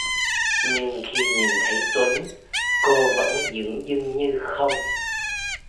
Nhưng khi nhìn thấy Tuấn cô vẫn dưng dưng như không